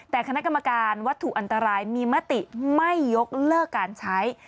แต่คณะกรรมการวัตถุอันตรายมีมติไม่ยกเลิกการใช้